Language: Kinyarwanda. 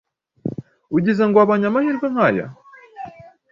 Ugize ngo abonye amahirwe nk’aya?